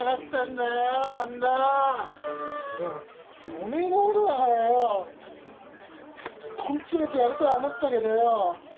おめえのことだからよ根詰めてやるとは思ったけどよ